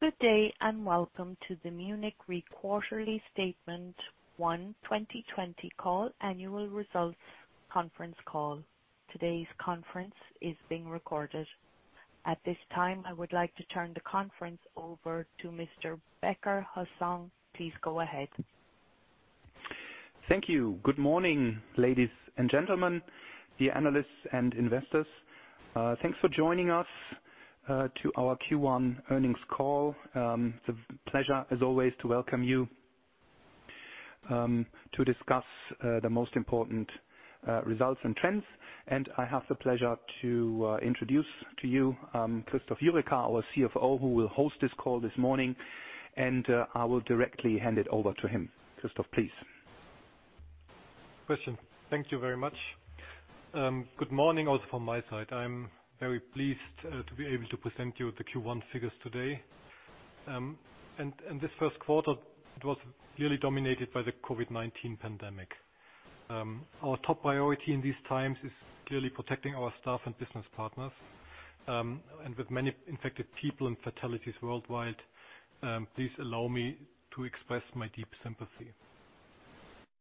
Good day. Welcome to the Munich RE quarterly statement Q1 2020 call annual results conference call. Today's conference is being recorded. At this time, I would like to turn the conference over to Mr. Christian Becker-Hussong. Please go ahead. Thank you. Good morning, ladies and gentlemen, the analysts and investors. Thanks for joining us to our Q1 earnings call. It's a pleasure, as always, to welcome you to discuss the most important results and trends. I have the pleasure to introduce to you Christoph Jurecka, our CFO, who will host this call this morning, and I will directly hand it over to him. Christoph, please. Christian, thank you very much. Good morning also from my side. I'm very pleased to be able to present you with the Q1 figures today. This first quarter was clearly dominated by the COVID-19 pandemic. Our top priority in these times is clearly protecting our staff and business partners. With many infected people and fatalities worldwide, please allow me to express my deep sympathy.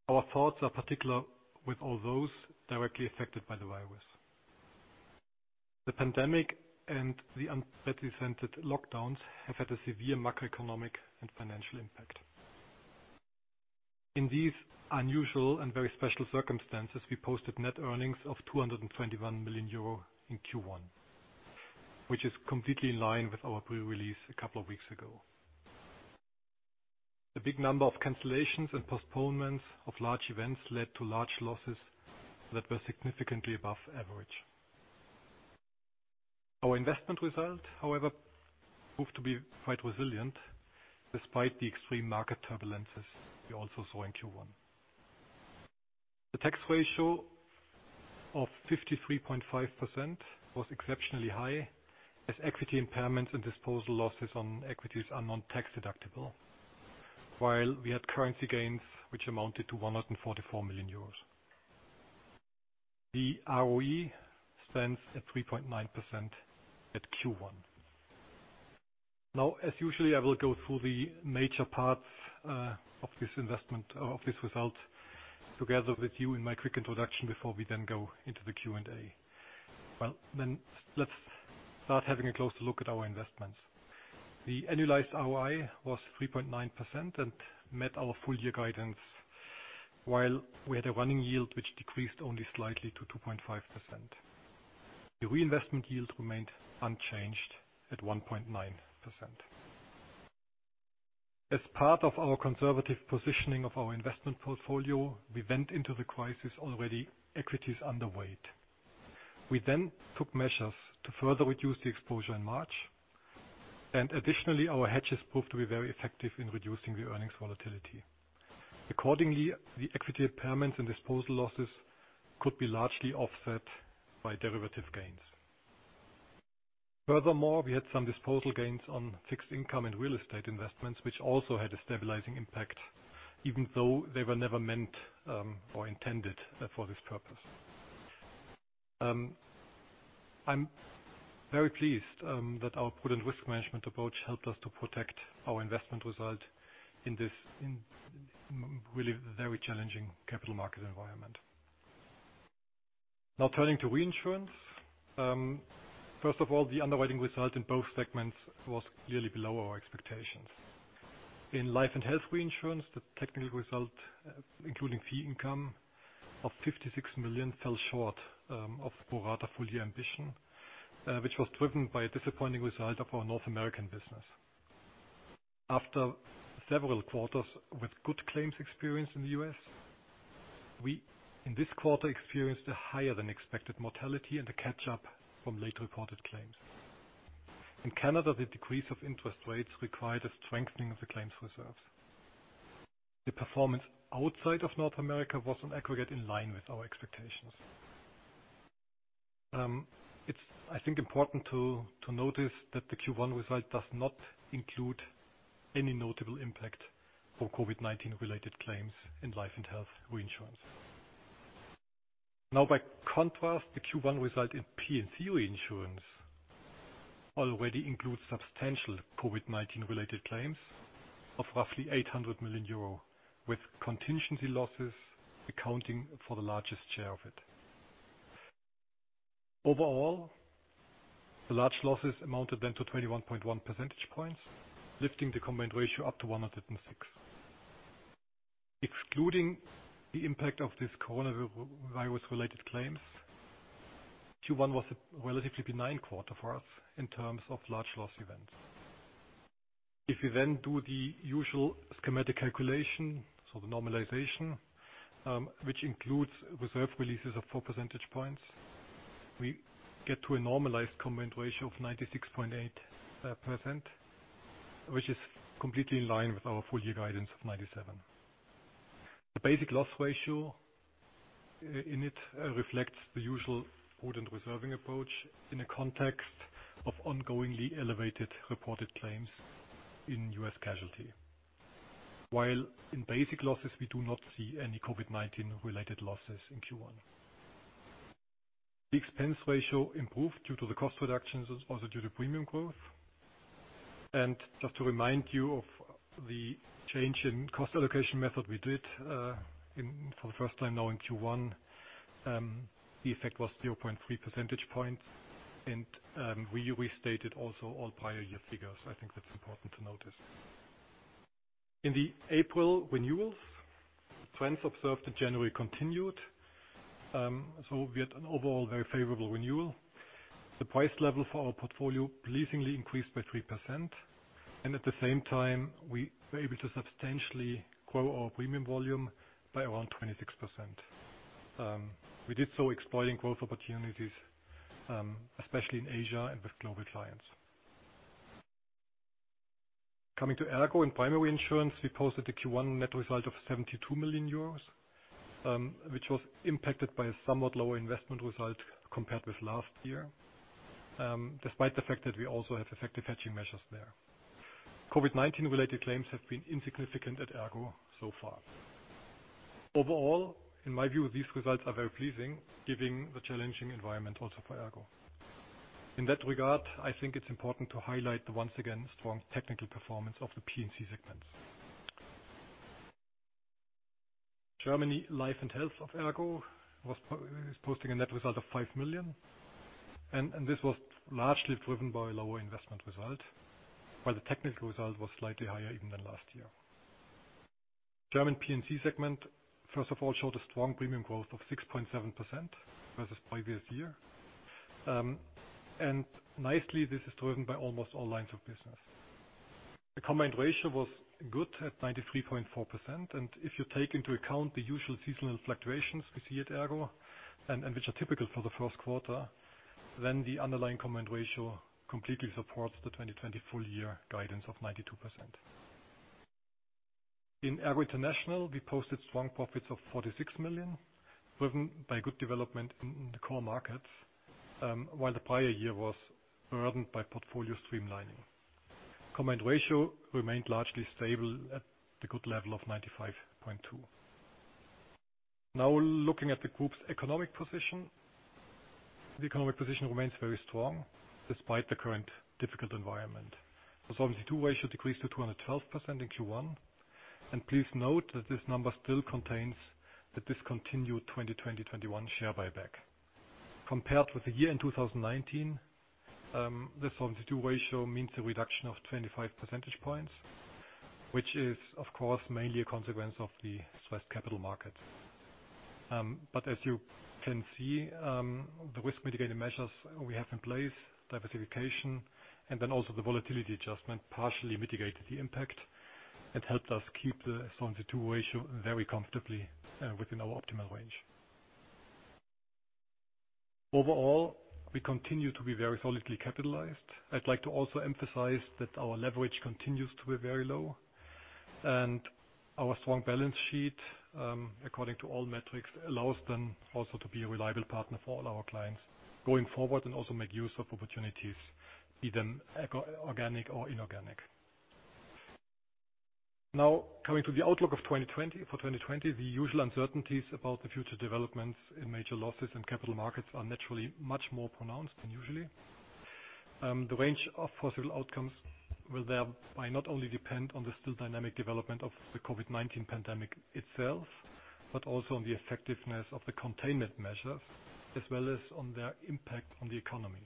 Our thoughts are particular with all those directly affected by the virus. The pandemic and the unprecedented lockdowns have had a severe macroeconomic and financial impact. In these unusual and very special circumstances, we posted net earnings of 221 million euro in Q1, which is completely in line with our pre-release a couple of weeks ago. The big number of cancellations and postponements of large events led to large losses that were significantly above average. Our investment result, however, proved to be quite resilient despite the extreme market turbulences we also saw in Q1. The tax ratio of 53.5% was exceptionally high as equity impairments and disposal losses on equities are non-tax deductible. We had currency gains, which amounted to 144 million euros. The ROE stands at 3.9% at Q1. As usually, I will go through the major parts of this result together with you in my quick introduction before we then go into the Q&A. Then let's start having a closer look at our investments. The annualized ROE was 3.9% and met our full-year guidance, while we had a running yield which decreased only slightly to 2.5%. The reinvestment yield remained unchanged at 1.9%. As part of our conservative positioning of our investment portfolio, we went into the crisis already equities underweight. We took measures to further reduce the exposure in March. Additionally, our hedges proved to be very effective in reducing the earnings volatility. Accordingly, the equity impairments and disposal losses could be largely offset by derivative gains. Furthermore, we had some disposal gains on fixed income and real estate investments, which also had a stabilizing impact, even though they were never meant or intended for this purpose. I'm very pleased that our prudent risk management approach helped us to protect our investment result in this really very challenging capital market environment. Now turning to reinsurance. First of all, the underwriting result in both segments was clearly below our expectations. In life and health reinsurance, the technical result, including fee income of 56 million, fell short of pro rata full year ambition, which was driven by a disappointing result of our North American business. After several quarters with good claims experience in the U.S., we, in this quarter, experienced a higher than expected mortality and a catch-up from late reported claims. In Canada, the decrease of interest rates required a strengthening of the claims reserves. The performance outside of North America was on aggregate in line with our expectations. It's, I think, important to notice that the Q1 result does not include any notable impact for COVID-19 related claims in life and health reinsurance. By contrast, the Q1 result in P&C reinsurance already includes substantial COVID-19-related claims of roughly 800 million euro, with contingency losses accounting for the largest share of it. Overall, the large losses amounted to 21.1 percentage points, lifting the combined ratio up to 106. Excluding the impact of these coronavirus-related claims, Q1 was a relatively benign quarter for us in terms of large loss events. If we do the usual schematic calculation, so the normalization, which includes reserve releases of four percentage points, we get to a normalized combined ratio of 96.8%, which is completely in line with our full-year guidance of 97%. The basic loss ratio in it reflects the usual prudent reserving approach in the context of ongoingly elevated reported claims in U.S. casualty. While in basic losses, we do not see any COVID-19 related losses in Q1. The expense ratio improved due to the cost reductions, also due to premium growth. Just to remind you of the change in cost allocation method we did for the first time now in Q1. The effect was 0.3 percentage points. We restated also all prior year figures. I think that's important to notice. In the April renewals, trends observed in January continued. We had an overall very favorable renewal. The price level for our portfolio pleasingly increased by 3%, and at the same time, we were able to substantially grow our premium volume by around 26%. We did so exploiting growth opportunities, especially in Asia and with global clients. Coming to ERGO in primary insurance, we posted a Q1 net result of 72 million euros, which was impacted by a somewhat lower investment result compared with last year, despite the fact that we also have effective hedging measures there. COVID-19 related claims have been insignificant at ERGO so far. Overall, in my view, these results are very pleasing given the challenging environment also for ERGO. In that regard, I think it's important to highlight the once again strong technical performance of the P&C segments. Germany Life & Health of ERGO is posting a net result of 5 million, and this was largely driven by a lower investment result. While the technical result was slightly higher even than last year. German P&C segment, first of all, showed a strong premium growth of 6.7% versus previous year. Nicely, this is driven by almost all lines of business. The combined ratio was good at 93.4%. If you take into account the usual seasonal fluctuations we see at ERGO and which are typical for the first quarter. The underlying combined ratio completely supports the 2020 full year guidance of 92%. In ERGO International, we posted strong profits of 46 million, driven by good development in the core markets. While the prior year was burdened by portfolio streamlining. Combined ratio remained largely stable at the good level of 95.2%. Looking at the group's economic position. The economic position remains very strong despite the current difficult environment. Solvency II ratio decreased to 212% in Q1. Please note that this number still contains the discontinued 2020, 2021 share buyback. Compared with the year in 2019, the Solvency II ratio means a reduction of 25 percentage points, which is of course mainly a consequence of the Swiss capital market. As you can see, the risk mitigating measures we have in place, diversification and then also the volatility adjustment partially mitigated the impact and helped us keep the Solvency II ratio very comfortably within our optimal range. Overall, we continue to be very solidly capitalized. I'd like to also emphasize that our leverage continues to be very low, and our strong balance sheet, according to all metrics, allows then also to be a reliable partner for all our clients going forward and also make use of opportunities, be them organic or inorganic. Coming to the outlook of 2020. For 2020, the usual uncertainties about the future developments in major losses and capital markets are naturally much more pronounced than usually. The range of possible outcomes will thereby not only depend on the still dynamic development of the COVID-19 pandemic itself, but also on the effectiveness of the containment measures, as well as on their impact on the economy.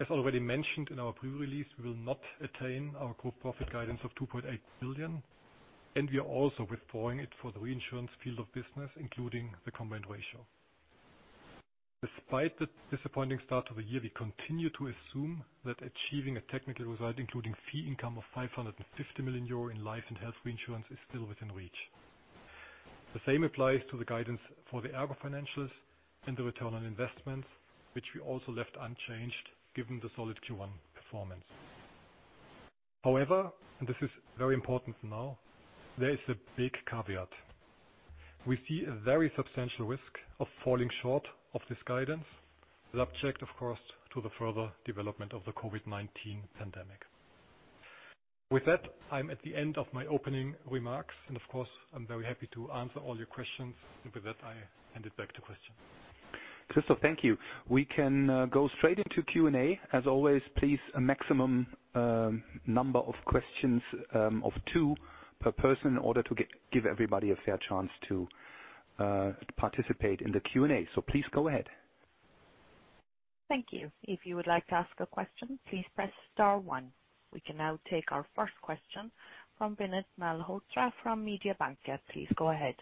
As already mentioned in our preview release, we will not attain our group profit guidance of 2.8 billion, and we are also withdrawing it for the reinsurance field of business, including the combined ratio. Despite the disappointing start of the year, we continue to assume that achieving a technical result, including fee income of 550 million euro in life and health reinsurance is still within reach. The same applies to the guidance for the ERGO financials and the return on investments, which we also left unchanged given the solid Q1 performance. However, this is very important now, there is a big caveat. We see a very substantial risk of falling short of this guidance, subject, of course, to the further development of the COVID-19 pandemic. With that, I'm at the end of my opening remarks, of course, I'm very happy to answer all your questions. With that, I hand it back to Christian. Christian, thank you. We can go straight into Q&A. As always, please, a maximum number of questions of two per person in order to give everybody a fair chance to participate in the Q&A. Please go ahead. Thank you. If you would like to ask a question, please press star one. We can now take our first question from Vinit Malhotra from Mediobanca. Please go ahead.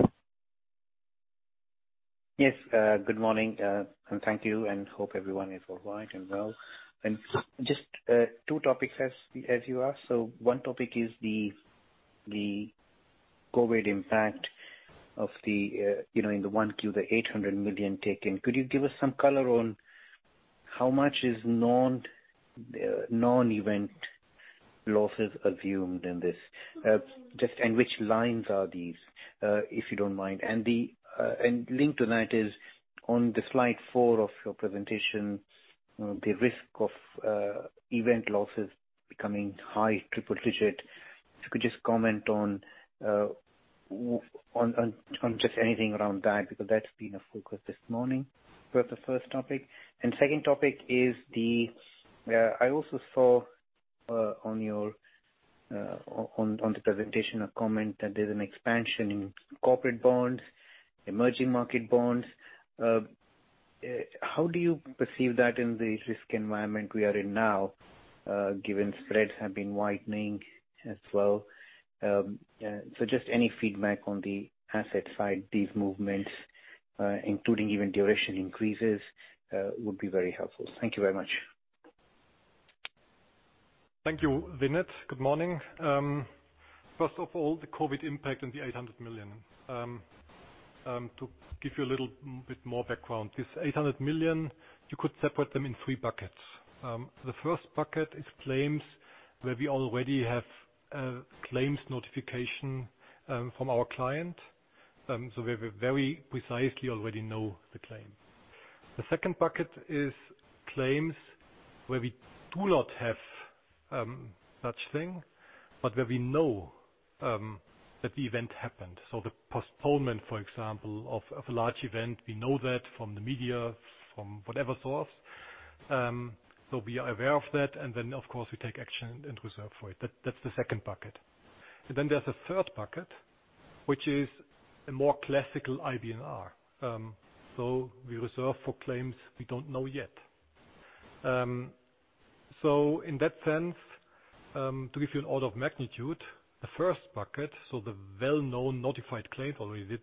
Yes. Good morning, and thank you, and hope everyone is all right and well. Just two topics as you asked. One topic is the COVID impact in the one Q, the 800 million taken. Could you give us some color on how much is non-event losses assumed in this? Which lines are these? If you don't mind. Linked to that is on the slide four of your presentation, the risk of event losses becoming high triple digit. If you could just comment on just anything around that, because that's been a focus this morning. That's the first topic. Second topic is, I also saw on the presentation, a comment that there's an expansion in corporate bonds, emerging market bonds. How do you perceive that in the risk environment we are in now, given spreads have been widening as well? Just any feedback on the asset side, these movements, including even duration increases, would be very helpful. Thank you very much. Thank you, Vinit. Good morning. First of all, the COVID impact and the 800 million. To give you a little bit more background, this 800 million, you could separate them in three buckets. The first bucket is claims where we already have claims notification from our client, so we very precisely already know the claim. The second bucket is claims where we do not have such thing, but where we know that the event happened. The postponement, for example, of a large event. We know that from the media, from whatever source. We are aware of that, and then, of course, we take action and reserve for it. That's the second bucket. Then there's a third bucket, which is a more classical IBNR. We reserve for claims we don't know yet. In that sense, to give you an order of magnitude, the first bucket, so the well-known notified claim,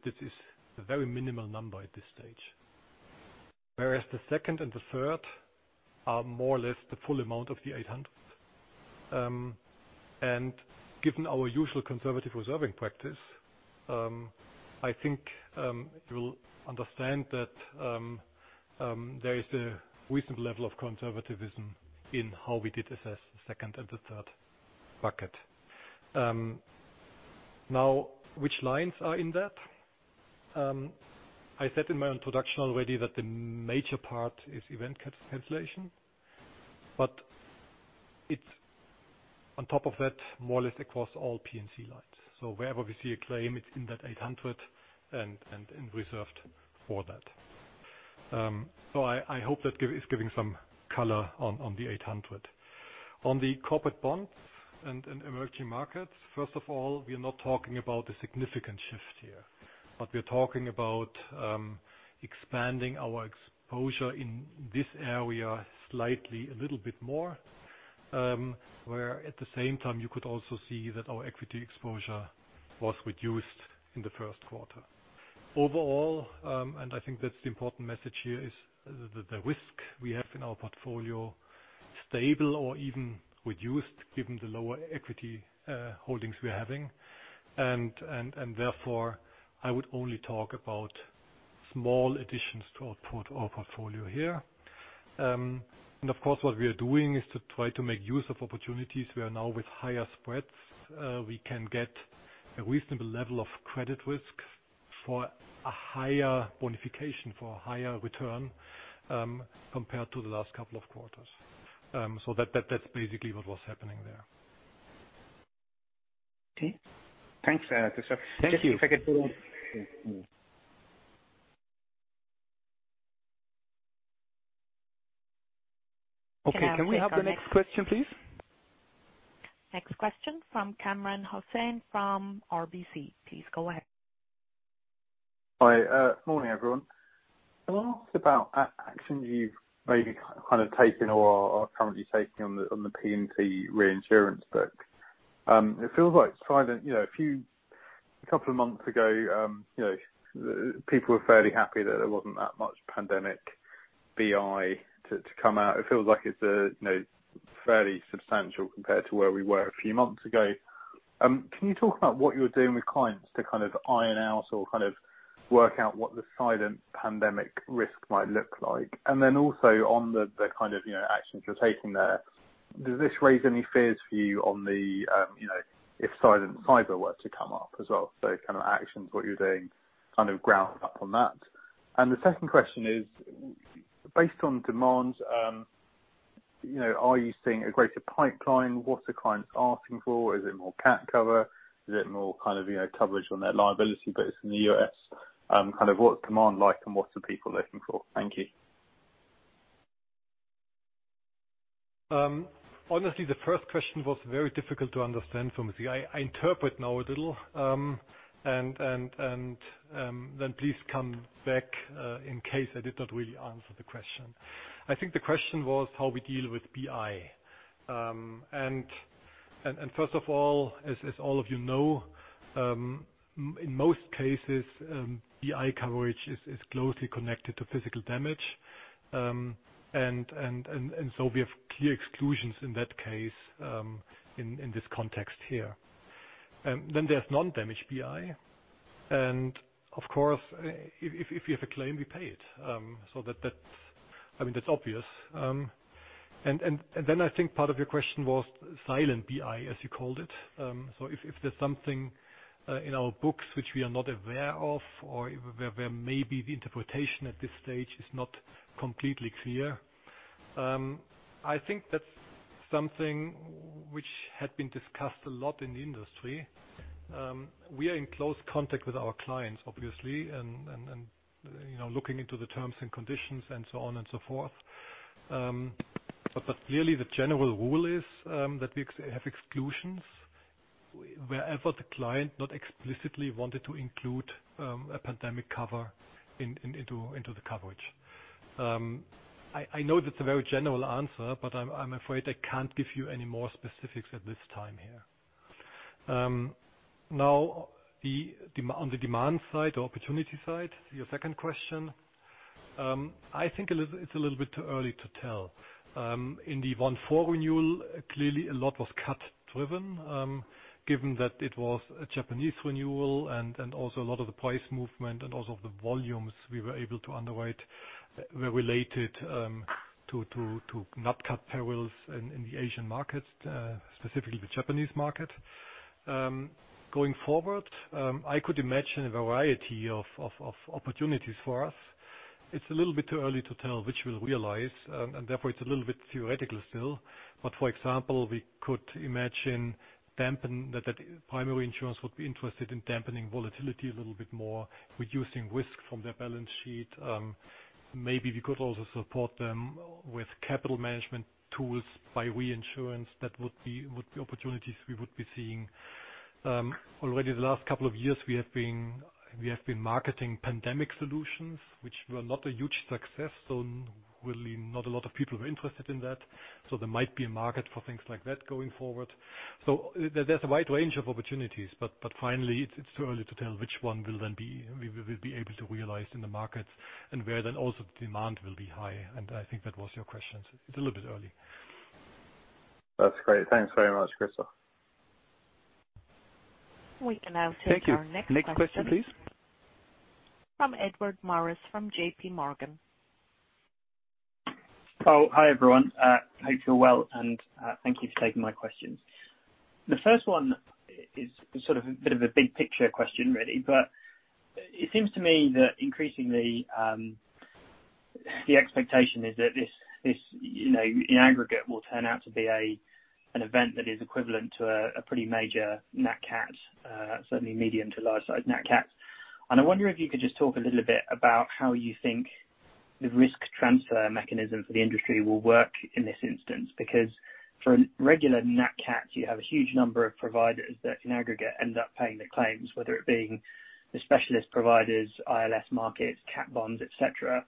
this is a very minimal number at this stage. Whereas the second and the third are more or less the full amount of the EUR 800. Given our usual conservative reserving practice, I think you will understand that there is a reasonable level of conservatism in how we did assess the second and the third bucket. Now, which lines are in that? I said in my introduction already that the major part is event cancellation, but it's on top of that, more or less across all P&C lines. Wherever we see a claim, it's in that 800 and reserved for that. I hope that is giving some color on the 800. On the corporate bonds and emerging markets, first of all, we are not talking about a significant shift here. We're talking about expanding our exposure in this area slightly, a little bit more. Where at the same time, you could also see that our equity exposure was reduced in the first quarter. Overall, I think that's the important message here, is the risk we have in our portfolio, stable or even reduced, given the lower equity holdings we're having. Therefore, I would only talk about small additions to our portfolio here. Of course, what we are doing is to try to make use of opportunities. We are now with higher spreads. We can get a reasonable level of credit risk for a higher bonification, for a higher return, compared to the last couple of quarters. That's basically what was happening there. Okay. Thanks, Christoph. Thank you. Just if I could- Okay. Can we have the next question, please? Next question from Kamran Hossain from RBC. Please go ahead. Hi. Morning, everyone. Can I ask about actions you've maybe kind of taken or are currently taking on the P&C reinsurance book? It feels like, a couple of months ago, people were fairly happy that there wasn't that much pandemic BI to come out. It feels like it's fairly substantial compared to where we were a few months ago. Can you talk about what you're doing with clients to iron out or work out what the silent pandemic risk might look like? Also on the kind of actions you're taking there, does this raise any fears for you if silent cyber were to come up as well? kind of actions, what you're doing, ground up on that. The second question is, based on demands, are you seeing a greater pipeline? What are clients asking for? Is it more cat cover? Is it more coverage on their liability bits in the U.S.? What's demand like and what are people looking for? Thank you. Honestly, the first question was very difficult to understand for me. I interpret now a little, and then please come back, in case I did not really answer the question. I think the question was how we deal with BI. First of all, as all of you know, in most cases, BI coverage is closely connected to physical damage. We have clear exclusions in that case, in this context here. There's non-damage BI. Of course, if you have a claim, we pay it. That's obvious. I think part of your question was silent BI, as you called it. If there's something in our books which we are not aware of or where maybe the interpretation at this stage is not completely clear. I think that's something which had been discussed a lot in the industry. Clearly the general rule is that we have exclusions wherever the client not explicitly wanted to include a pandemic cover into the coverage. I know that's a very general answer, I'm afraid I can't give you any more specifics at this time here. On the demand side or opportunity side, your second question. I think it's a little bit too early to tell. In the one four renewal, clearly a lot was CAT driven, given that it was a Japanese renewal and also a lot of the price movement and also of the volumes we were able to underwrite were related to nat cat perils in the Asian markets, specifically the Japanese market. Going forward, I could imagine a variety of opportunities for us. It's a little bit too early to tell which we'll realize. Therefore, it's a little bit theoretical still. For example, we could imagine that primary insurance would be interested in dampening volatility a little bit more, reducing risk from their balance sheet. Maybe we could also support them with capital management tools by reinsurance. That would be opportunities we would be seeing. Already the last couple of years we have been marketing pandemic solutions, which were not a huge success. Really not a lot of people were interested in that. There might be a market for things like that going forward. There's a wide range of opportunities. Finally, it's too early to tell which one we'll be able to realize in the market and where also the demand will be high. I think that was your question. It's a little bit early. That's great. Thanks very much, Christoph. We can now take our next question. Thank you. Next question, please. From Edward Morris from JPMorgan. Oh, hi, everyone. Hope you're well, and thank you for taking my questions. The first one is sort of a bit of a big picture question, really. It seems to me that increasingly, the expectation is that this, in aggregate, will turn out to be an event that is equivalent to a pretty major nat CAT, certainly medium to large size nat CAT. I wonder if you could just talk a little bit about how you think the risk transfer mechanism for the industry will work in this instance. For a regular nat CAT, you have a huge number of providers that in aggregate end up paying the claims, whether it being the specialist providers, ILS markets, cat bonds, et cetera.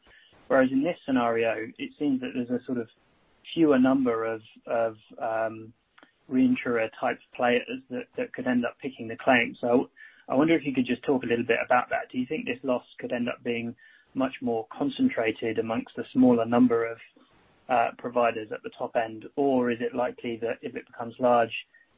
Whereas in this scenario, it seems that there's a sort of fewer number of reinsurer type players that could end up picking the claim. I wonder if you could just talk a little bit about that. Do you think this loss could end up being much more concentrated amongst the smaller number of providers at the top end? Or is it likely that if it becomes large,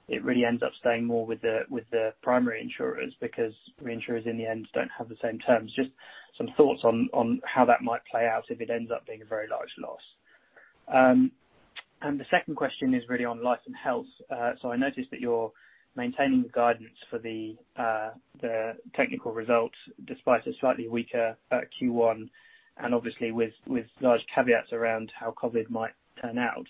it really ends up staying more with the primary insurers because reinsurers in the end don't have the same terms? Just some thoughts on how that might play out if it ends up being a very large loss. The second question is really on life and health. I noticed that you're maintaining the guidance for the technical results despite a slightly weaker Q1 and obviously with large caveats around how COVID might turn out.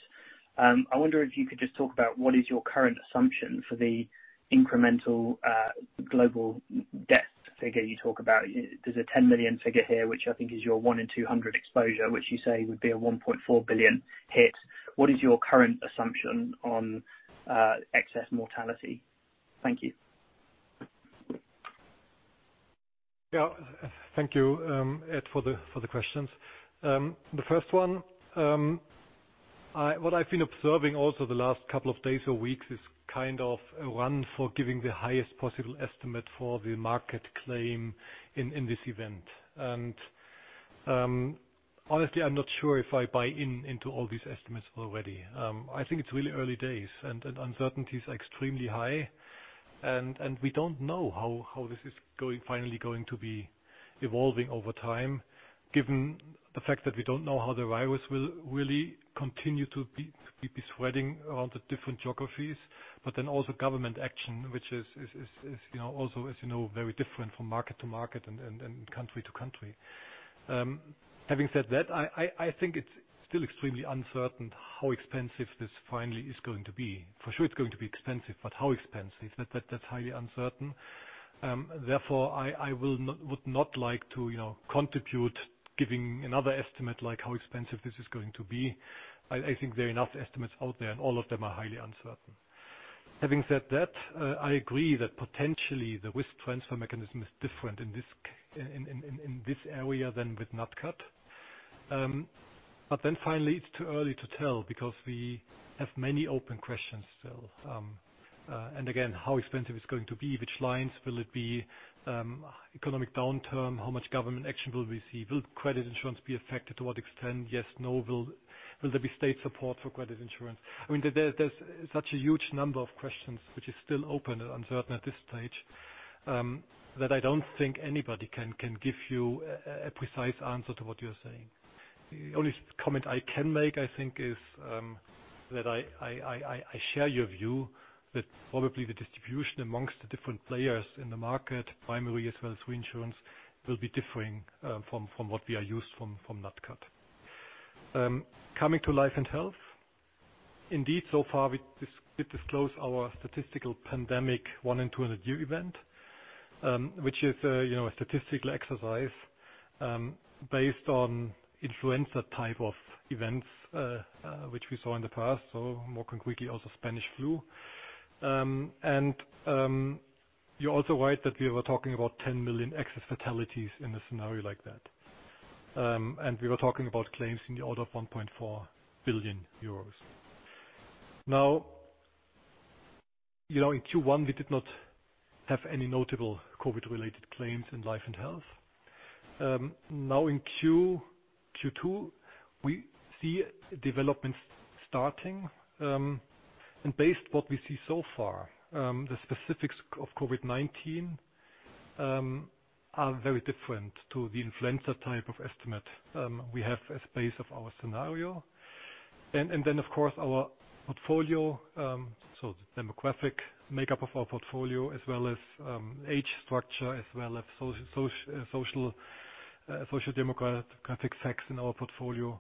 I wonder if you could just talk about what is your current assumption for the incremental global death figure you talk about. There's a 10 million figure here, which I think is your one in 200 exposure, which you say would be a 1.4 billion hit. What is your current assumption on excess mortality? Thank you. Yeah. Thank you, Edward, for the questions. The first one, what I've been observing also the last couple of days or weeks is kind of a run for giving the highest possible estimate for the market claim in this event. Honestly, I'm not sure if I buy into all these estimates already. I think it's really early days and uncertainties are extremely high, and we don't know how this is finally going to be evolving over time, given the fact that we don't know how the virus will really continue to be spreading around the different geographies, also government action, which is also, as you know, very different from market to market and country to country. Having said that, I think it's still extremely uncertain how expensive this finally is going to be. For sure it's going to be expensive, but how expensive? That's highly uncertain. I would not like to contribute giving another estimate, like how expensive this is going to be. I think there are enough estimates out there, and all of them are highly uncertain. Having said that, I agree that potentially the risk transfer mechanism is different in this area than with nat cat. Finally, it's too early to tell because we have many open questions still. Again, how expensive it's going to be, which lines will it be? Economic downturn, how much government action will we see? Will credit insurance be affected? To what extent? Yes, no. Will there be state support for credit insurance? There's such a huge number of questions which is still open and uncertain at this stage, that I don't think anybody can give you a precise answer to what you're saying. The only comment I can make, I think, is that I share your view that probably the distribution amongst the different players in the market, primary as well as reinsurance, will be differing from what we are used from nat cat. Coming to life and health. Indeed, so far, we disclose our statistical pandemic one in 200-year event, which is a statistical exercise based on influenza type of events, which we saw in the past. More concretely, also Spanish flu. You're also right that we were talking about 10 million excess fatalities in a scenario like that. We were talking about claims in the order of 1.4 billion euros. Now, in Q1, we did not have any notable COVID related claims in life and health. Now in Q2, we see developments starting, and based what we see so far, the specifics of COVID-19 are very different to the influenza type of estimate we have as base of our scenario. Then, of course, our portfolio, so the demographic makeup of our portfolio, as well as age structure, as well as social demographic facts in our portfolio,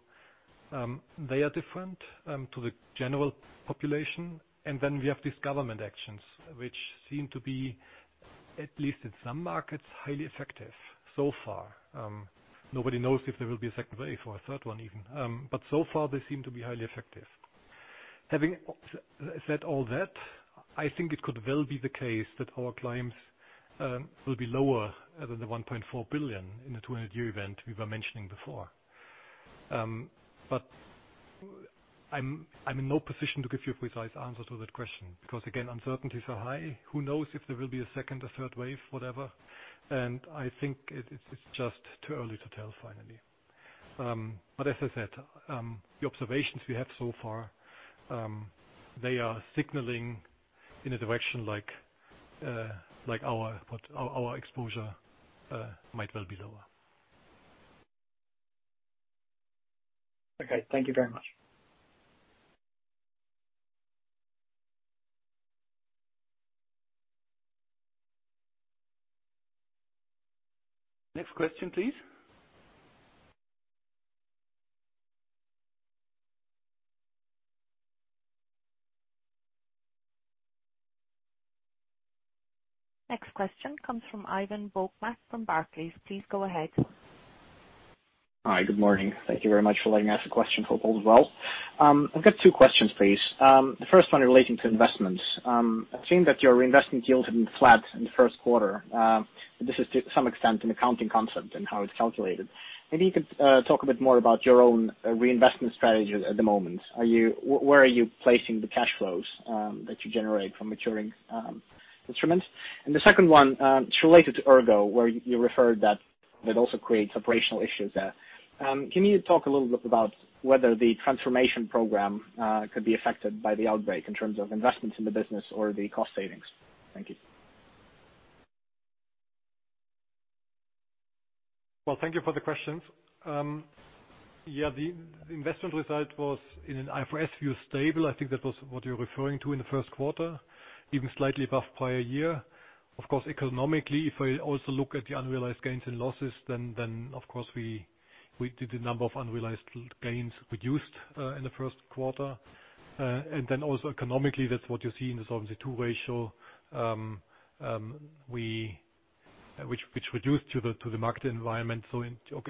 they are different to the general population. Then we have these government actions, which seem to be, at least in some markets, highly effective so far. Nobody knows if there will be a second wave or a third one even. So far, they seem to be highly effective. Having said all that, I think it could well be the case that our claims will be lower than the 1.4 billion in the 200-year event we were mentioning before. I'm in no position to give you a precise answer to that question because, again, uncertainties are high. Who knows if there will be a second or third wave? I think it's just too early to tell, finally. As I said, the observations we have so far, they are signaling in a direction like our exposure might well be lower. Okay. Thank you very much. Next question, please. Next question comes from Ivan Bokhmat from Barclays. Please go ahead. Hi. Good morning. Thank you very much for letting me ask a question. Hope all is well. I've got two questions, please. The first one relating to investments. I've seen that your reinvestment yield has been flat in the first quarter. This is to some extent an accounting concept and how it's calculated. Maybe you could talk a bit more about your own reinvestment strategy at the moment. Where are you placing the cash flows, that you generate from maturing instruments? The second one, it's related to ERGO, where you referred that it also creates operational issues there. Can you talk a little bit about whether the transformation program could be affected by the outbreak in terms of investments in the business or the cost savings? Thank you. Well, thank you for the questions. Yeah, the investment result was in an IFRS view, stable. I think that was what you're referring to in the first quarter, even slightly above prior year. Economically, if I also look at the unrealized gains and losses, the number of unrealized gains reduced in the first quarter. Also economically, that's what you see in the Solvency II ratio, which reduced to the market environment.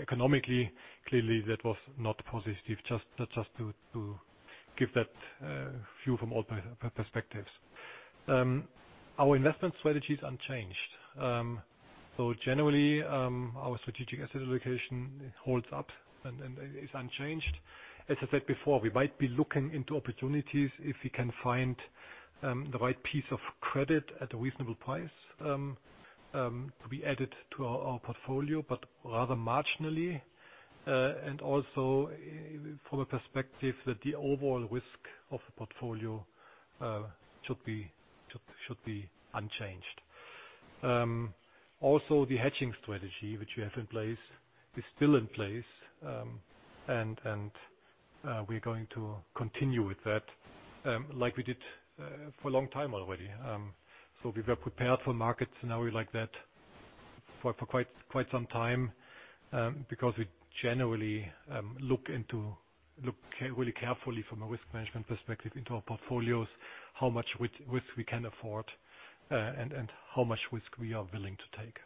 Economically, clearly that was not positive. That's just to give that view from all perspectives. Our investment strategy is unchanged. Generally, our strategic asset allocation holds up and is unchanged. As I said before, we might be looking into opportunities if we can find the right piece of credit at a reasonable price, to be added to our portfolio, but rather marginally. Also from a perspective that the overall risk of the portfolio should be unchanged. The hedging strategy, which we have in place is still in place. We're going to continue with that, like we did for a long time already. We were prepared for market scenario like that for quite some time, because we generally look really carefully from a risk management perspective into our portfolios, how much risk we can afford, and how much risk we are willing to take.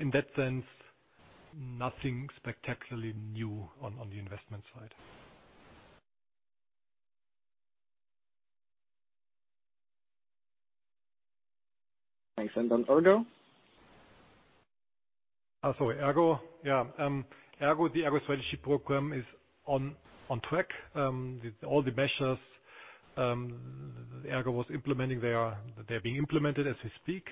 In that sense, nothing spectacularly new on the investment side. Thanks. On ERGO? Sorry, ERGO. The ERGO Strategy Program is on track. All the measures ERGO was implementing, they are being implemented as we speak.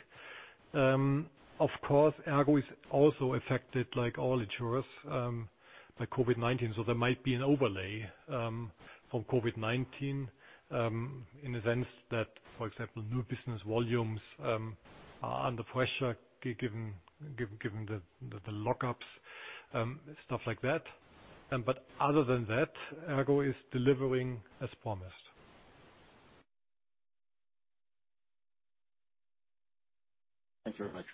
Of course, ERGO is also affected like all insurers, by COVID-19. There might be an overlay, from COVID-19, in a sense that, for example, new business volumes are under pressure given the lockups, stuff like that. Other than that, ERGO is delivering as promised. Thank you very much.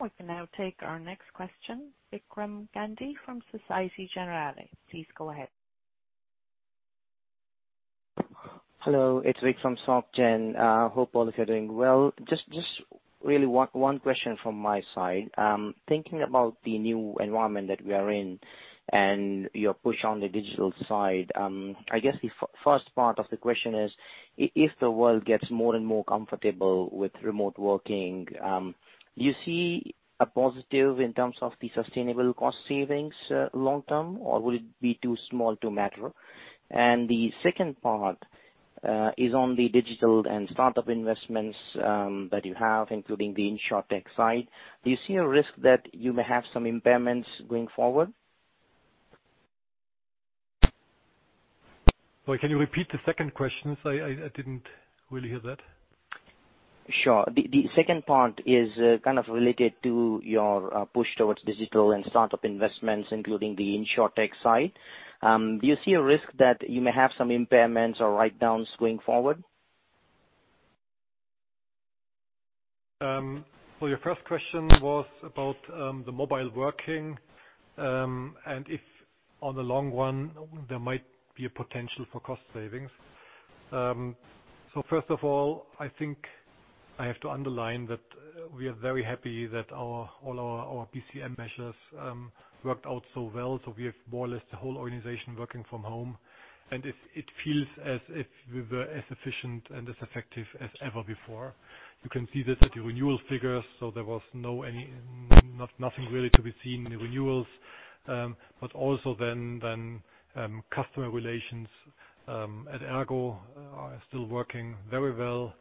We can now take our next question. Vikram Gandhi from Societe Generale. Please go ahead. Hello. It's Rik from Soc Gen. Hope all of you are doing well. Just really one question from my side. Thinking about the new environment that we are in and your push on the digital side. I guess the first part of the question is, if the world gets more and more comfortable with remote working, do you see a positive in terms of the sustainable cost savings long-term, or will it be too small to matter? The second part is on the digital and startup investments that you have, including the insurtech side. Do you see a risk that you may have some impairments going forward? Sorry, can you repeat the second question? I didn't really hear that. Sure. The second part is kind of related to your push towards digital and startup investments, including the Insurtech side. Do you see a risk that you may have some impairments or write-downs going forward? Your first question was about the mobile working, and if on the long run, there might be a potential for cost savings. First of all, I think I have to underline that we are very happy that all our BCM measures worked out so well. We have more or less the whole organization working from home. It feels as if we were as efficient and as effective as ever before. You can see this with the renewal figures, so there was nothing really to be seen in the renewals. Also then, customer relations at ERGO are still working very well.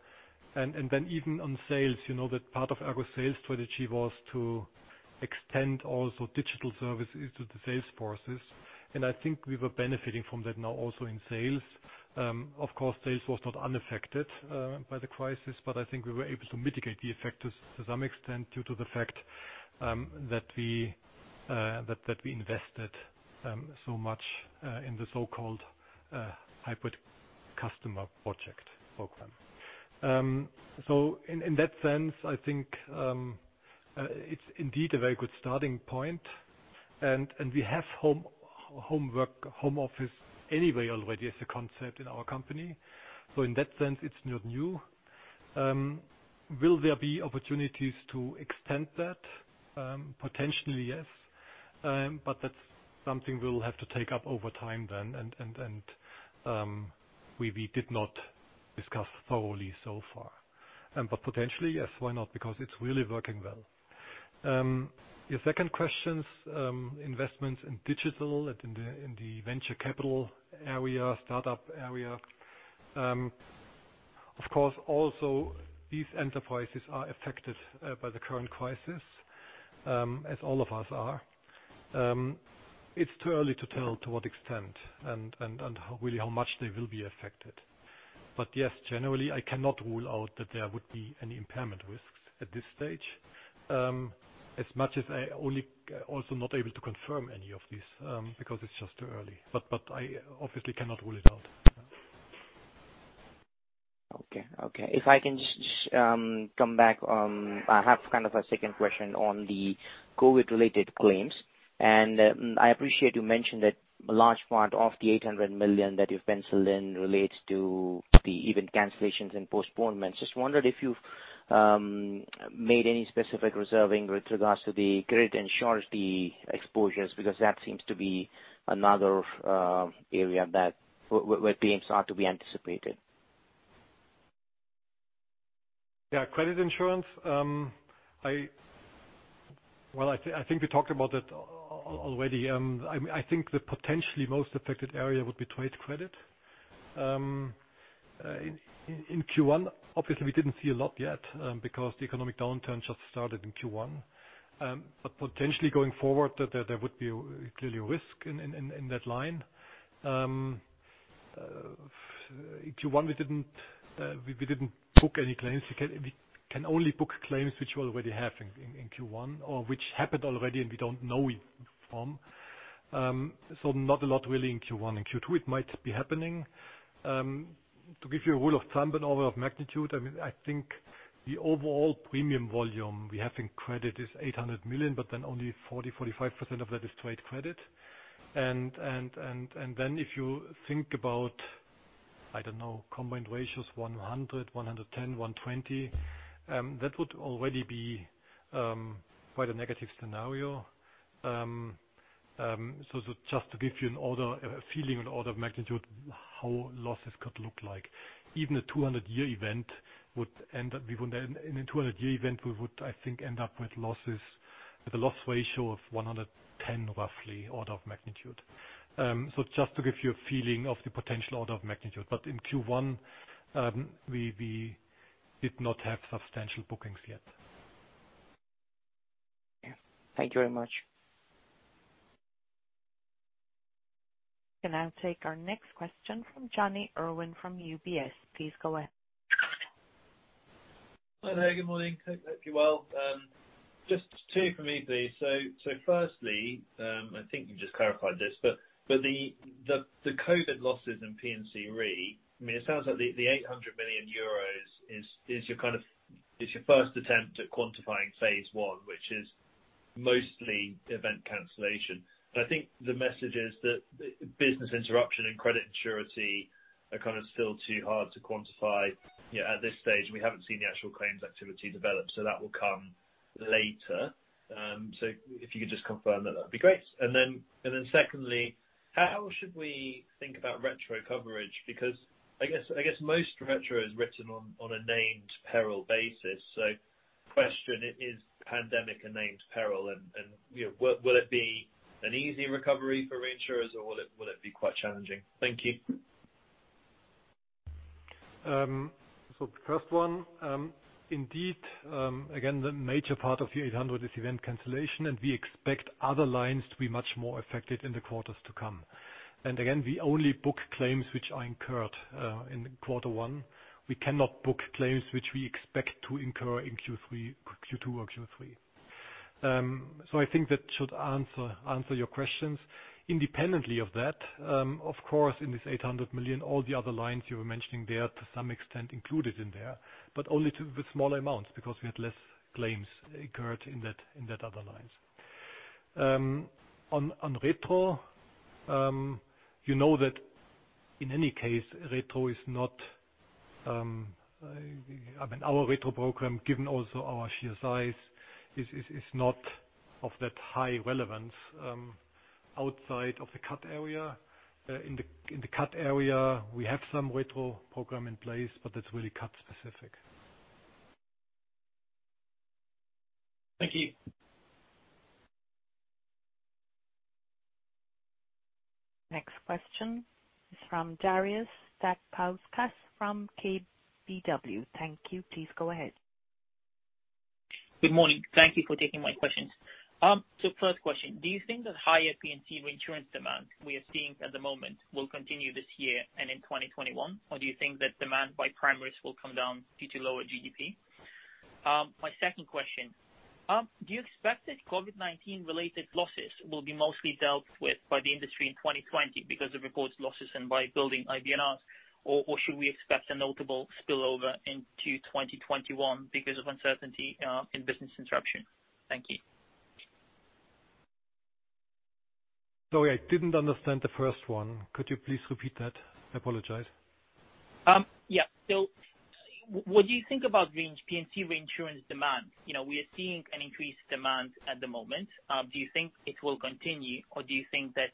Even on sales, you know that part of ERGO sales strategy was to extend also digital services to the sales forces. I think we were benefiting from that now also in sales. Sales was not unaffected by the crisis, but I think we were able to mitigate the effect to some extent due to the fact that we invested so much in the so-called hybrid customer project program. In that sense, I think it's indeed a very good starting point. We have home office anyway already as a concept in our company. In that sense, it's not new. Will there be opportunities to extend that? Potentially, yes. That's something we'll have to take up over time then and we did not discuss thoroughly so far. Potentially, yes. Why not? Because it's really working well. Your second question, investments in digital and in the venture capital area, startup area. Also these enterprises are affected by the current crisis, as all of us are. It's too early to tell to what extent and really how much they will be affected. Yes, generally, I cannot rule out that there would be any impairment risks at this stage. As much as I am also not able to confirm any of these, because it's just too early. I obviously cannot rule it out. Okay. If I can just come back. I have kind of a second question on the COVID-19-related claims. I appreciate you mentioned that a large part of the 800 million that you've penciled in relates to the event cancellations and postponements. I just wondered if you've made any specific reserving with regards to the credit and surety exposures, because that seems to be another area where payments are to be anticipated. Yeah, credit insurance. Well, I think we talked about it already. I think the potentially most affected area would be trade credit. In Q1, obviously, we didn't see a lot yet, because the economic downturn just started in Q1. Potentially going forward, there would be clearly a risk in that line. In Q1, we didn't book any claims. We can only book claims which we already have in Q1, or which happened already and we don't know from. Not a lot really in Q1. In Q2, it might be happening. To give you a rule of thumb and order of magnitude, I think the overall premium volume we have in credit is 800 million, only 40%-45% of that is trade credit. If you think about, I don't know, combined ratios, 100%, 110%, 120%, that would already be quite a negative scenario. Just to give you a feeling, an order of magnitude, how losses could look like. In a 200-year event, we would, I think, end up with a loss ratio of 110, roughly order of magnitude. Just to give you a feeling of the potential order of magnitude. In Q1, we did not have substantial bookings yet. Yeah. Thank you very much. We now take our next question from Jonny Urwin from UBS. Please go ahead. Hi, there. Good morning. Hope you're well. Just two for me, please. Firstly, I think you just clarified this, but the COVID losses in P&C Re, it sounds like the 800 million euros is your first attempt at quantifying phase 1, which is mostly event cancellation. I think the message is that business interruption and credit surety are still too hard to quantify, at this stage, and we haven't seen the actual claims activity develop, that will come later. If you could just confirm that'd be great. Secondly, how should we think about retro coverage? Because I guess most retro is written on a named peril basis. Question, is pandemic a named peril and will it be an easy recovery for reinsurers or will it be quite challenging? Thank you. The first one, indeed, again, the major part of your 800 million is event cancellation, and we expect other lines to be much more affected in the quarters to come. Again, we only book claims which are incurred in Q1. We cannot book claims which we expect to incur in Q2 or Q3. I think that should answer your questions. Independently of that, of course, in this 800 million, all the other lines you were mentioning there to some extent included in there, but only with small amounts because we had less claims incurred in that other lines. On retro, you know that in any case, our retro program, given also our sheer size, is not of that high relevance outside of the CAT area. In the CAT area, we have some retro program in place, but that's really CAT specific. Thank you. Next question is from Darius Satkauskas from KBW. Thank you. Please go ahead. Good morning. Thank you for taking my questions. First question, do you think that higher P&C reinsurance demand we are seeing at the moment will continue this year and in 2021? Or do you think that demand by primaries will come down due to lower GDP? My second question, do you expect that COVID-19 related losses will be mostly dealt with by the industry in 2020 because of reported losses and by building IBNRs? Or should we expect a notable spillover into 2021 because of uncertainty in business interruption? Thank you. Sorry, I didn't understand the first one. Could you please repeat that? I apologize. Yeah. What do you think about P&C reinsurance demand? We are seeing an increased demand at the moment. Do you think it will continue, or do you think that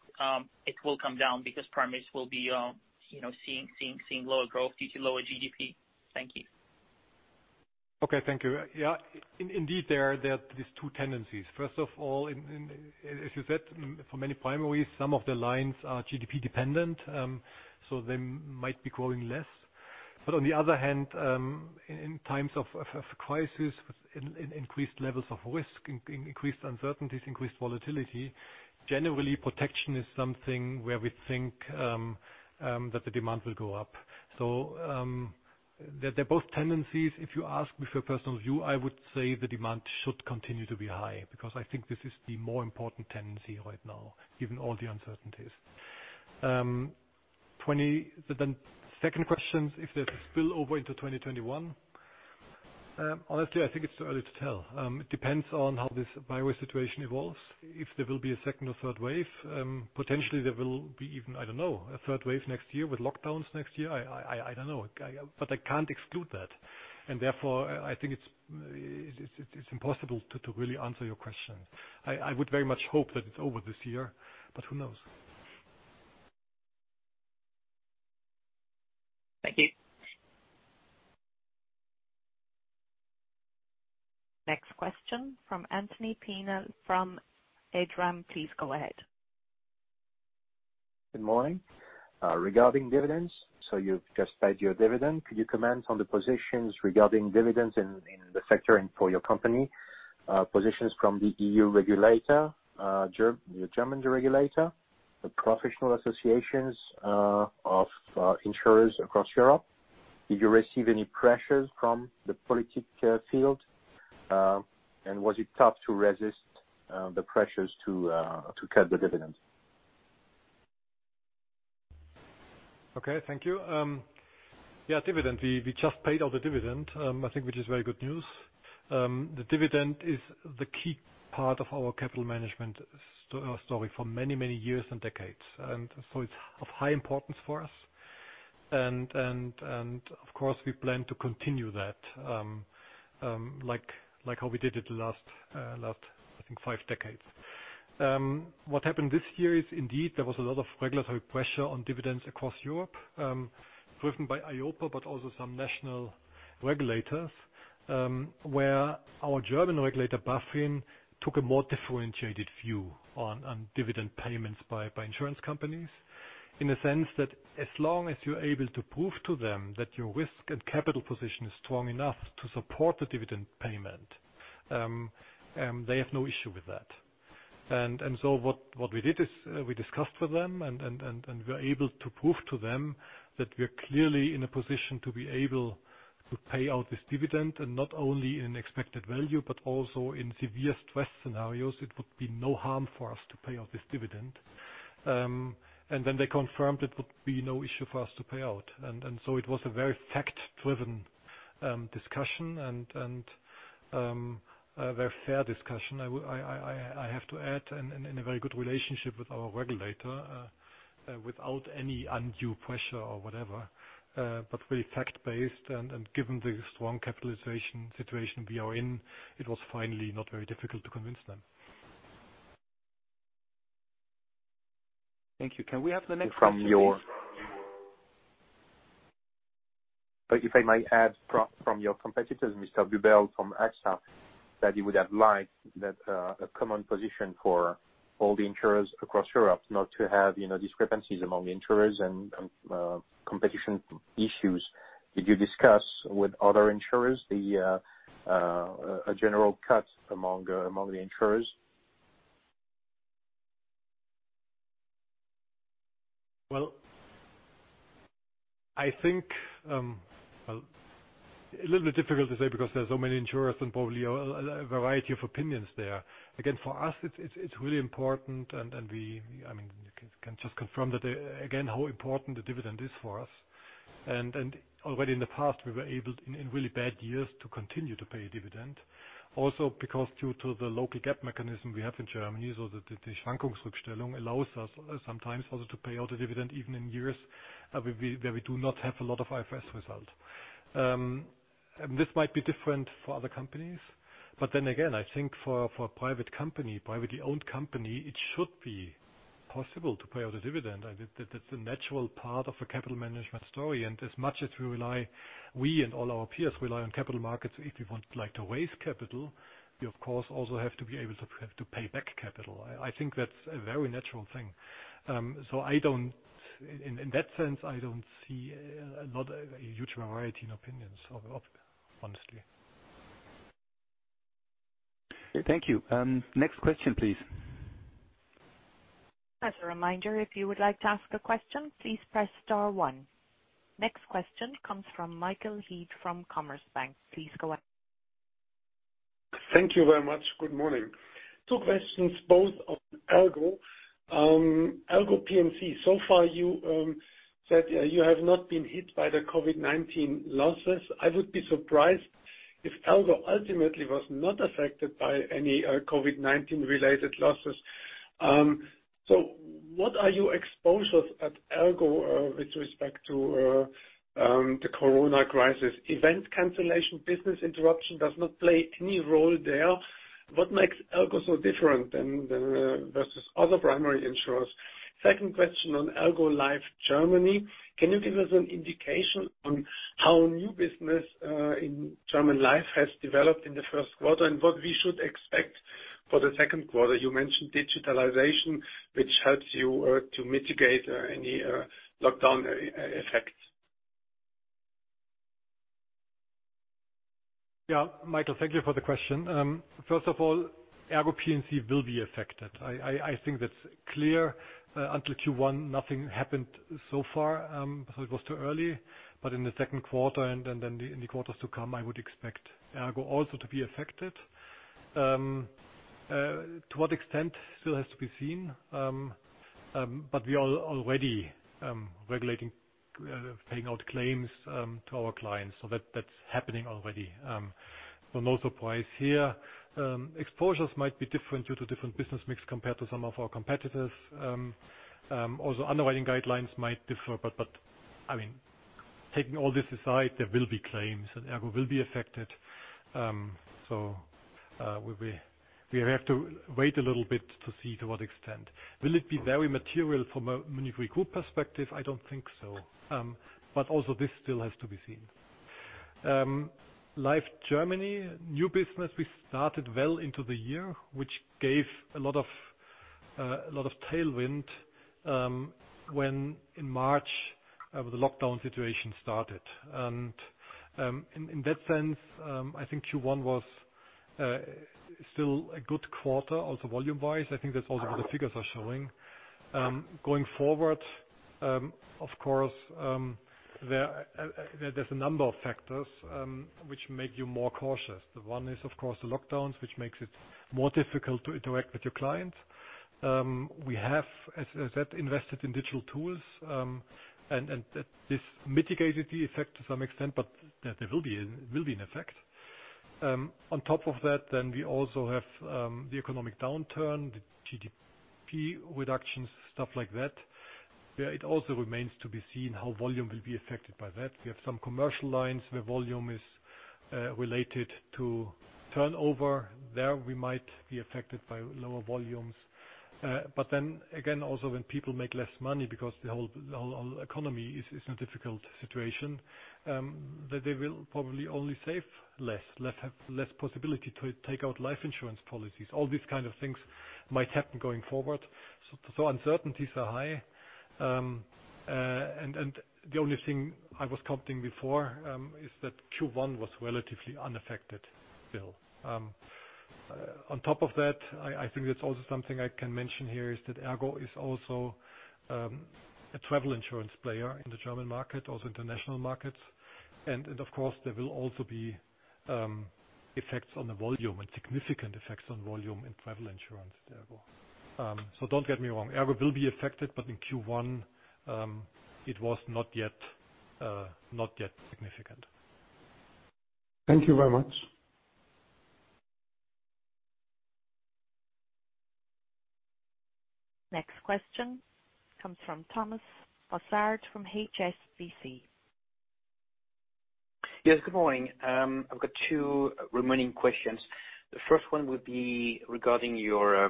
it will come down because primaries will be seeing lower growth due to lower GDP? Thank you. Okay. Thank you. Yeah, indeed, there are these two tendencies. First of all, as you said, for many primaries, some of the lines are GDP dependent. They might be growing less. On the other hand, in times of crisis, in increased levels of risk, increased uncertainties, increased volatility, generally, protection is something where we think that the demand will go up. They're both tendencies. If you ask me for a personal view, I would say the demand should continue to be high, because I think this is the more important tendency right now, given all the uncertainties. The second question, if there's a spillover into 2021. Honestly, I think it's too early to tell. It depends on how this virus situation evolves, if there will be a second or third wave. Potentially there will be even, I don't know, a third wave next year with lockdowns next year. I don't know. I can't exclude that, and therefore, I think it's impossible to really answer your question. I would very much hope that it's over this year, but who knows? Thank you. Next question from Anthony Penel from EdRAM. Please go ahead. Good morning. Regarding dividends, you've just paid your dividend. Could you comment on the positions regarding dividends in the sector and for your company, positions from the EU regulator, your German regulator, the professional associations of insurers across Europe? Did you receive any pressures from the political field? Was it tough to resist the pressures to cut the dividends? Okay. Thank you. Yeah, dividend. We just paid out the dividend, I think which is very good news. The dividend is the key part of our capital management story for many, many years and decades. It's of high importance for us. We plan to continue that, like how we did it the last, I think five decades. What happened this year is indeed there was a lot of regulatory pressure on dividends across Europe, driven by EIOPA, but also some national regulators, where our German regulator BaFin took a more differentiated view on dividend payments by insurance companies. In the sense that as long as you're able to prove to them that your risk and capital position is strong enough to support the dividend payment, they have no issue with that. What we did is we discussed with them, and we were able to prove to them that we are clearly in a position to be able to pay out this dividend, and not only in expected value, but also in severe stress scenarios, it would be no harm for us to pay out this dividend. Then they confirmed it would be no issue for us to pay out. It was a very fact-driven discussion and a very fair discussion. I have to add, in a very good relationship with our regulator, without any undue pressure or whatever. Very fact-based, and given the strong capitalization situation we are in, it was finally not very difficult to convince them. Thank you. Can we have the next question, please? If I might add, from your competitors, Mr. Buberl from AXA, that you would have liked a common position for all the insurers across Europe not to have discrepancies among insurers and competition issues. Did you discuss with other insurers a general cut among the insurers? For us, it's really important, and we can just confirm again how important the dividend is for us. Already in the past, we were able, in really bad years, to continue to pay a dividend. Also because due to the local GAAP mechanism we have in Germany, the allows us sometimes also to pay out a dividend even in years where we do not have a lot of IFRS result. This might be different for other companies. I think for a privately owned company, it should be possible to pay out a dividend. That's a natural part of a capital management story. As much as we rely, we and all our peers rely on capital markets, if we want to raise capital, we of course also have to be able to pay back capital. I think that's a very natural thing. In that sense, I don't see a huge variety in opinions, honestly. Thank you. Next question, please. As a reminder, if you would like to ask a question, please press star one. Next question comes from Michael Haid from Commerzbank. Please go ahead. Thank you very much. Good morning. Two questions, both on ERGO. ERGO P&C, so far you said you have not been hit by the COVID-19 losses. I would be surprised if ERGO ultimately was not affected by any COVID-19 related losses. What are your exposures at ERGO with respect to the corona crisis? Event cancellation, business interruption does not play any role there. What makes ERGO so different versus other primary insurers? Second question on ERGO Life Germany. Can you give us an indication on how new business in German Life has developed in the first quarter and what we should expect for the second quarter? You mentioned digitalization, which helps you to mitigate any lockdown effects. Michael, thank you for the question. First of all, ERGO P&C will be affected. I think that's clear. Until Q1, nothing happened so far. It was too early, but in the second quarter and then in the quarters to come, I would expect ERGO also to be affected. To what extent still has to be seen. We are already regulating, paying out claims to our clients. That's happening already. No surprise here. Exposures might be different due to different business mix compared to some of our competitors. Underwriting guidelines might differ, but taking all this aside, there will be claims and ERGO will be affected. We have to wait a little bit to see to what extent. Will it be very material from a Munich Re group perspective? I don't think so. Also this still has to be seen. Life Germany, new business, we started well into the year, which gave a lot of tailwind, when in March, the lockdown situation started. In that sense, I think Q1 was still a good quarter, also volume-wise. I think that's also what the figures are showing. Going forward, of course, there's a number of factors which make you more cautious. One is, of course, the lockdowns, which makes it more difficult to interact with your clients. We have, as I said, invested in digital tools, and this mitigates the effect to some extent, but there will be an effect. On top of that, then we also have the economic downturn, the GDP reductions, stuff like that. It also remains to be seen how volume will be affected by that. We have some commercial lines where volume is related to turnover. There, we might be affected by lower volumes. Again, also when people make less money because the whole economy is in a difficult situation, they will probably only save less, have less possibility to take out life insurance policies. All these kind of things might happen going forward. Uncertainties are high. The only thing I was commenting before, is that Q1 was relatively unaffected still. On top of that, I think it's also something I can mention here, is that ERGO is also a travel insurance player in the German market, also international markets. Of course, there will also be effects on the volume and significant effects on volume in travel insurance there. Don't get me wrong, ERGO will be affected, but in Q1, it was not yet significant. Thank you very much. Next question comes from Thomas Fossard from HSBC. Yes, good morning. I've got two remaining questions. The first one would be regarding your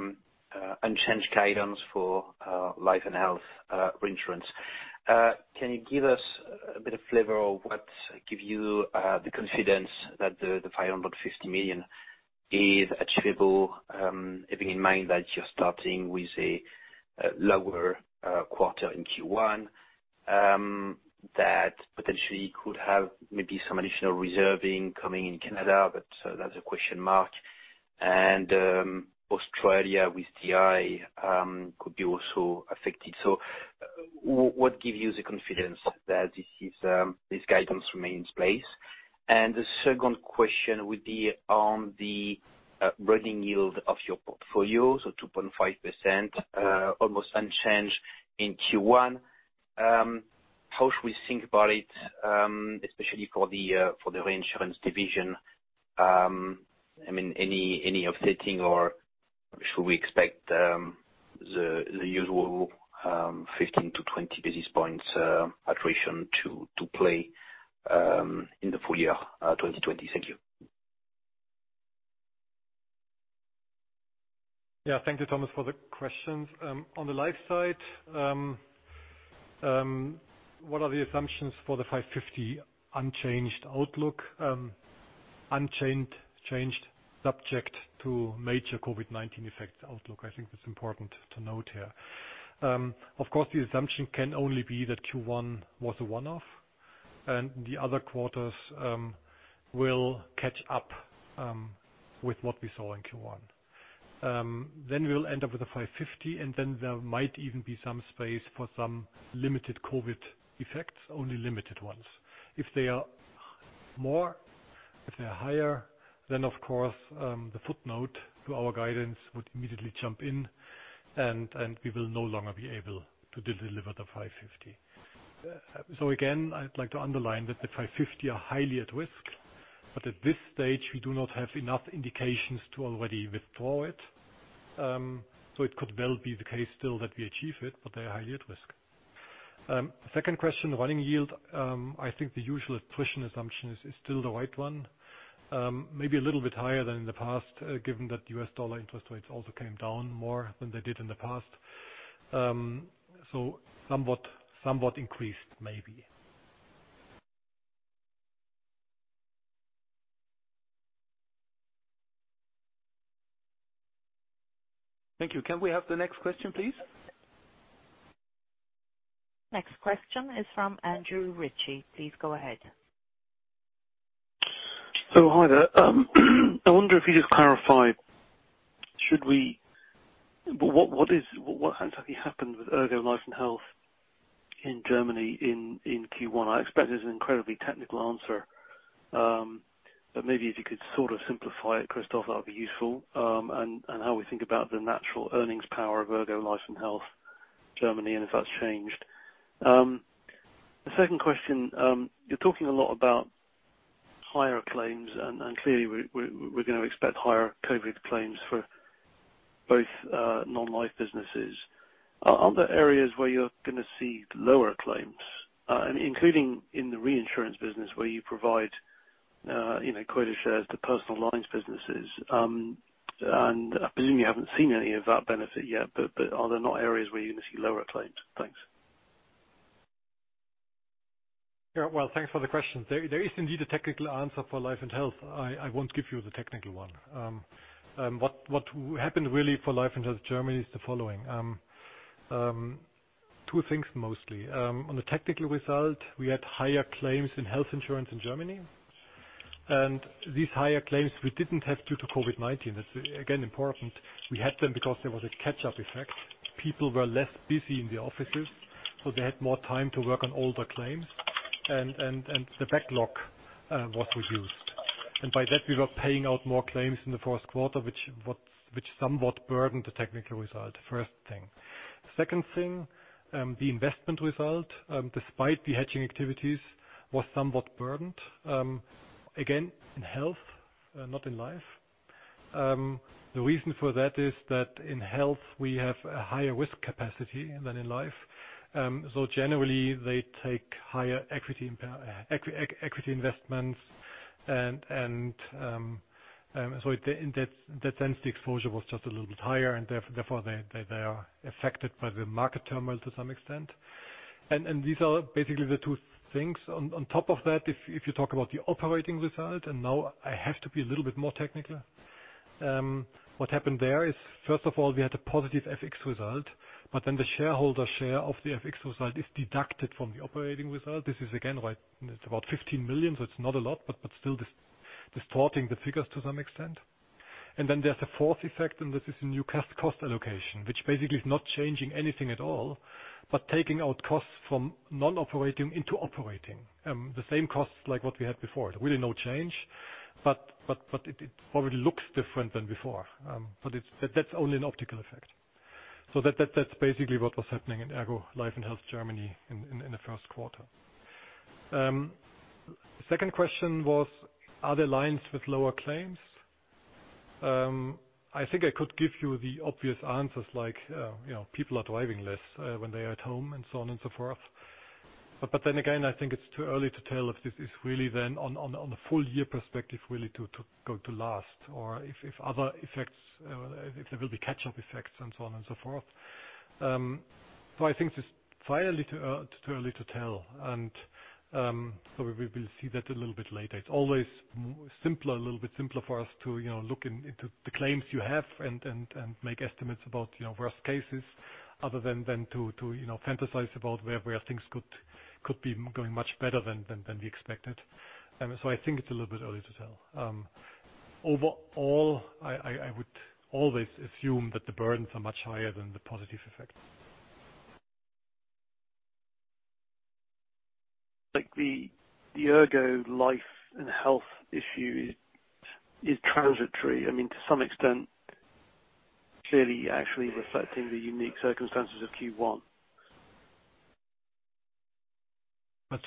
unchanged guidance for life and health reinsurance. Can you give us a bit of flavor of what give you the confidence that the 550 million is achievable, having in mind that you're starting with a lower quarter in Q1, that potentially could have maybe some additional reserving coming in Canada, that's a question mark. Australia with DI could be also affected. What gives you the confidence that this guidance remains in place? The second question would be on the running yield of your portfolio. 2.5%, almost unchanged in Q1. How should we think about it, especially for the reinsurance division? Any offsetting or should we expect the usual 15-20 basis points attrition to play in the full year 2020? Thank you. Thank you, Thomas, for the questions. On the life side, what are the assumptions for the 550 unchanged outlook? Unchanged, subject to major COVID-19 effects outlook. I think that's important to note here. Of course, the assumption can only be that Q1 was a one-off, and the other quarters will catch up with what we saw in Q1. We'll end up with a 550, and then there might even be some space for some limited COVID effects, only limited ones. If they are more, if they are higher, of course, the footnote to our guidance would immediately jump in, and we will no longer be able to deliver the 550. Again, I'd like to underline that the 550 are highly at risk, but at this stage, we do not have enough indications to already withdraw it. It could well be the case still that we achieve it, but they are highly at risk. Second question, running yield. I think the usual attrition assumption is still the right one. Maybe a little bit higher than in the past, given that the USD interest rates also came down more than they did in the past. Somewhat increased, maybe. Thank you. Can we have the next question, please? Next question is from Andrew Ritchie. Please go ahead. Hi there. I wonder if you just clarify, what exactly happened with ERGO Life & Health in Germany in Q1? I expect there's an incredibly technical answer, but maybe if you could sort of simplify it, Christoph, that would be useful. How we think about the natural earnings power of ERGO Life & Health Germany, and if that's changed. The second question, you're talking a lot about higher claims, and clearly, we're going to expect higher COVID claims for both non-life businesses. Are there areas where you're going to see lower claims? Including in the reinsurance business where you provide quota shares to personal lines businesses. I presume you haven't seen any of that benefit yet, but are there not areas where you're going to see lower claims? Thanks. Yeah, well, thanks for the questions. There is indeed a technical answer for Life & Health. I won't give you the technical one. What happened really for Life & Health Germany is the following. Two things mostly. On the technical result, we had higher claims in health insurance in Germany. These higher claims, we didn't have due to COVID-19. That's again, important. We had them because there was a catch-up effect. People were less busy in the offices, so they had more time to work on older claims. The backlog was reduced. By that, we were paying out more claims in the first quarter, which somewhat burdened the technical result. First thing. Second thing, the investment result, despite the hedging activities, was somewhat burdened. Again, in health, not in life. The reason for that is that in health, we have a higher risk capacity than in life. Generally, they take higher equity investments and, in that sense, the exposure was just a little bit higher, and therefore they are affected by the market turmoil to some extent. These are basically the two things. On top of that, if you talk about the operating result, now I have to be a little bit more technical. What happened there is, first of all, we had a positive FX result, the shareholder share of the FX result is deducted from the operating result. This is again, it's about 15 million, it's not a lot, but still distorting the figures to some extent. Then there's a fourth effect, this is a new cost allocation, which basically is not changing anything at all, but taking out costs from non-operating into operating. The same costs like what we had before. Really no change, but it probably looks different than before. That's only an optical effect. That's basically what was happening in ERGO Life & Health Germany in the first quarter. Second question was, are there lines with lower claims? I think I could give you the obvious answers like, people are driving less when they are at home and so on and so forth. I think it's too early to tell if this is really then, on a full year perspective, really going to last or if there will be catch-up effects and so on and so forth. I think it's far too early to tell, and so we will see that a little bit later. It's always a little bit simpler for us to look into the claims you have and make estimates about worst cases other than to fantasize about where things could be going much better than we expected. I think it's a little bit early to tell. Overall, I would always assume that the burdens are much higher than the positive effects. Like the ERGO Life and Health issue is transitory. To some extent, clearly actually reflecting the unique circumstances of Q1.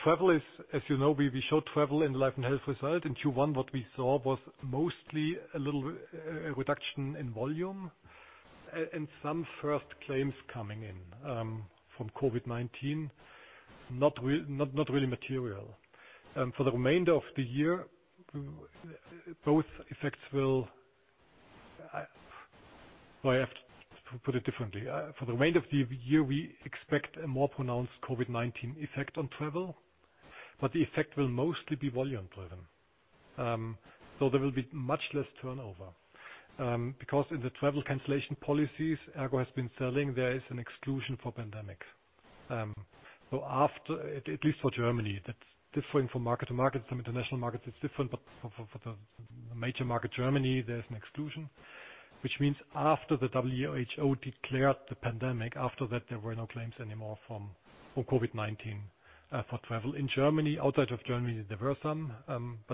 Travel is, as you know, we show travel in the life and health result. In Q1, what we saw was mostly a little reduction in volume and some first claims coming in from COVID-19. Not really material. For the remainder of the year, we expect a more pronounced COVID-19 effect on travel, but the effect will mostly be volume driven. There will be much less turnover. Because in the travel cancellation policies ERGO has been selling, there is an exclusion for pandemic. At least for Germany. That's different from market to market. Some international markets it's different, but for the major market, Germany, there's an exclusion, which means after the WHO declared the pandemic, after that, there were no claims anymore from COVID-19 for travel in Germany. Outside of Germany, there were some.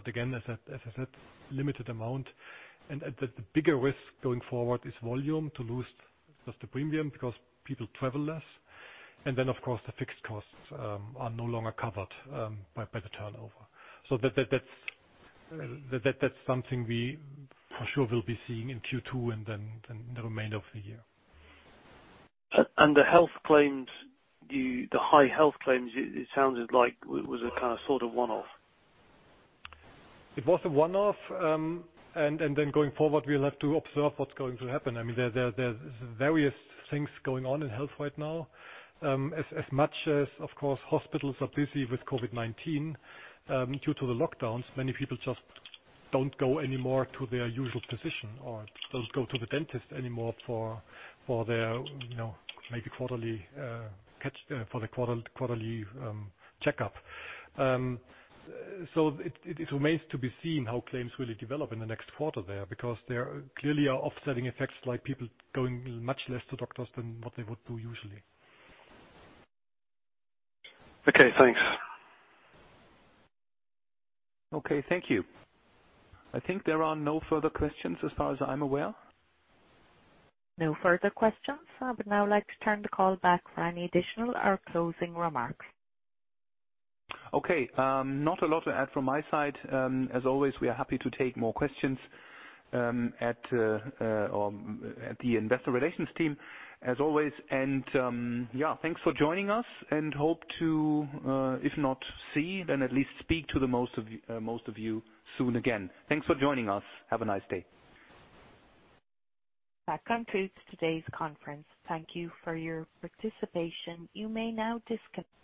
Again, as I said, limited amount. The bigger risk going forward is volume, to lose just the premium because people travel less. Then, of course, the fixed costs are no longer covered by the turnover. That's something we for sure will be seeing in Q2 and then the remainder of the year. The health claims, the high health claims, it sounded like it was a sort of one-off. It was a one-off. Then going forward, we'll have to observe what's going to happen. There's various things going on in health right now. As much as, of course, hospitals are busy with COVID-19, due to the lockdowns, many people just don't go anymore to their usual physician or don't go to the dentist anymore for their maybe quarterly checkup. It remains to be seen how claims really develop in the next quarter there, because there clearly are offsetting effects, like people going much less to doctors than what they would do usually. Okay, thanks. Okay, thank you. I think there are no further questions as far as I'm aware. No further questions. I would now like to turn the call back for any additional or closing remarks. Okay. Not a lot to add from my side. As always, we are happy to take more questions at the investor relations team as always. Yeah, thanks for joining us and hope to, if not see, then at least speak to the most of you soon again. Thanks for joining us. Have a nice day. That concludes today's conference. Thank you for your participation. You may now disconnect.